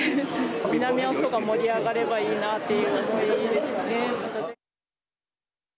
南阿蘇が盛り上がればいいなという思いですかね。